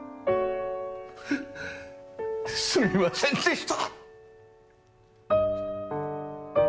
すみませんでした。